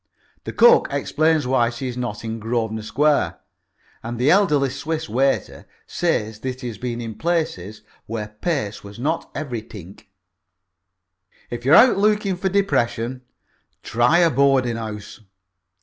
The cook explains why she's not in Grosvenor Square, and the elderly Swiss waiter says that he has been in places where pace was not everytink. If you're out looking for depression, try a boarding house.